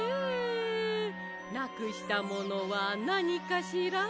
なくしたものはなにかしら？